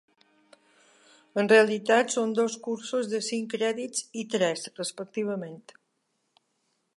En realitat són dos cursos de cinc crèdits i tres, respectivament.